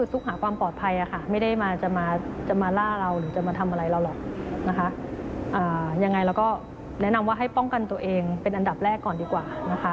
ยังไงเราก็แนะนำว่าให้ป้องกันตัวเองเป็นอันดับแรกก่อนดีกว่านะคะ